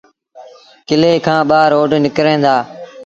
ڪلي کآݩ ٻآ روڊ نڪريݩ دآ۔